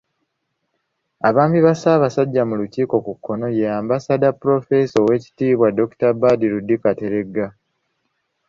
Abaami ba Ssaabasajja mu Lukiiko, ku kkono ye Ambassador Prof. Owek. Dr. Badru D. Kateregga.